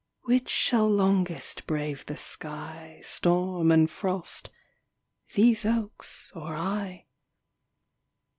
Which shall longest brave the sky, Storm and frost these oaks or I?